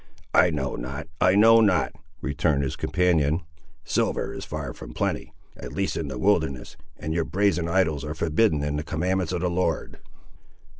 "I know not, I know not," returned his companion; "silver is far from plenty, at least in the wilderness, and your brazen idols are forbidden in the commandments of the Lord."